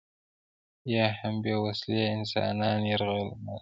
یا هم بې وسلې انسانان یرغمالوي.